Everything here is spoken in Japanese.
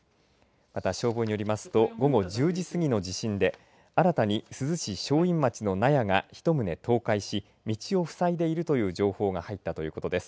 また消防によりますと午後１０時過ぎの地震で新たに珠洲市正院町の納屋が１棟倒壊し道をふさいでいるという情報が入ったということです。